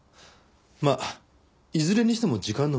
まあいずれにしても時間の無駄です。